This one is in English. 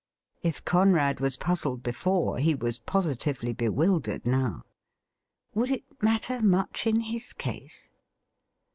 If Conrad was puzzled before, he was positively be wildered now. Would it matter much in his case